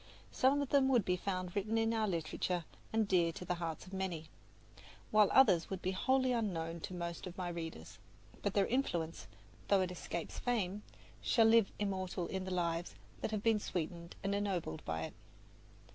Some of them would be found written in our literature and dear to the hearts of many, while others would be wholly unknown to most of my readers. But their influence, though it escapes fame, shall live immortal in the lives that have been sweetened and ennobled by it.